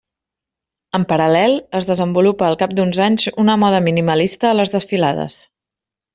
En paral·lel es desenvolupa al cap d'uns anys una moda minimalista a les desfilades.